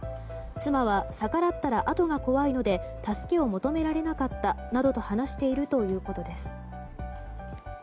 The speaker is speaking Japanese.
妻は、逆らったら後が怖いので助けを求められなかったなどと話しているということです。